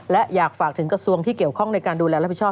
และอยากฝากถึงกระทรวงที่เกี่ยวข้องในการดูแลรับผิดชอบ